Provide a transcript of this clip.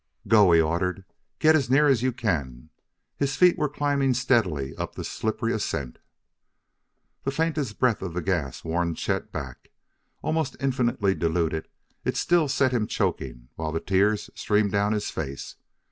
"Go!" he ordered. "Get as near as you can!" His feet were climbing steadily up the slippery ascent. The faintest breath of the gas warned Chet back. Almost infinitely diluted, it still set him choking while the tears streamed down his face.